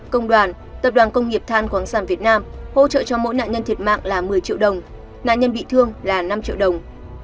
công đoàn tập đoàn công nghiệp than khoáng sản việt nam hỗ trợ cho mỗi nạn nhân thiệt mạng là một mươi triệu đồng nạn nhân bị thương là năm triệu đồng